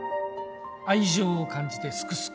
愛情を感じてすくすく伸びた。